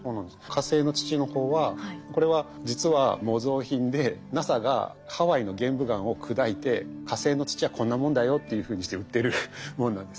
火星の土の方はこれは実は模造品でＮＡＳＡがハワイの玄武岩を砕いて火星の土はこんなもんだよっていうふうにして売ってるものなんです。